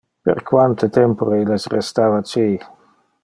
Per quante tempore illes restava ci?